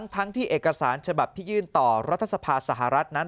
ทั้งที่เอกสารฉบับที่ยื่นต่อรัฐสภาสหรัฐนั้น